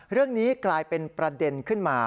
เรื่องนี้กลายเป็นประเด็นขึ้นมา